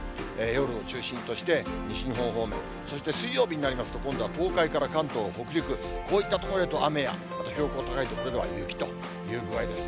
夜を中心として、西日本方面、そして水曜日になりますと、今度は東海から関東、北陸、こういった所で雨や標高高い所では雪という具合です。